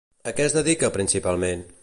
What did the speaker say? A què es dedica principalment?